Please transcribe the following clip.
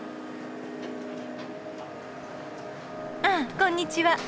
あこんにちは。